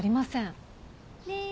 ねえ？